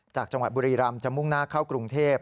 จากจังหวัดบุรีรำจะมุ่งหน้าเข้ากรุงเทพ